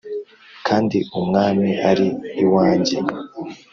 kandi umwami ari iwanjye.’